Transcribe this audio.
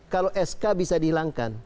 kalau sk bisa dihilangkan